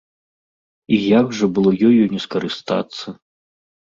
І як жа было ёю не скарыстацца!